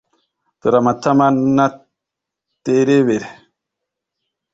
Dore amatama naterebere